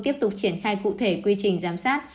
tiếp tục triển khai cụ thể quy trình giám sát